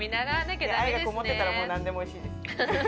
いや、愛が籠もってたら何でもおいしいです。